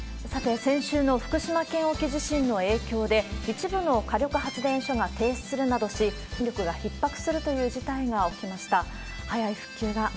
さて、先週の福島県沖地震の影響で、一部の火力発電所が停止するなどし、電力がひっ迫するという事態が起きました。